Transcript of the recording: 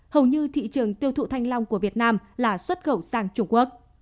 hầu như thị trường tiêu thụ thanh long của việt nam là xuất khẩu sang trung quốc